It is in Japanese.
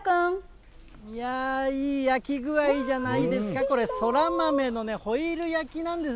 いやー、いい焼き具合じゃないですか、これ、そら豆のね、ホイル焼きなんです。